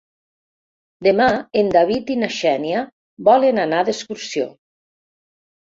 Demà en David i na Xènia volen anar d'excursió.